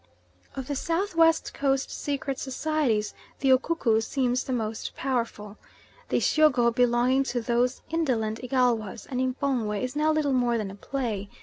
Of the South West Coast secret societies the Ukuku seems the most powerful. The Isyogo belonging to those indolent Igalwas, and M'pongwe is now little more than a play.